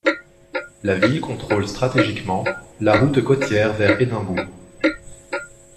La ville contrôle stratégiquement la route côtière vers Édimbourg.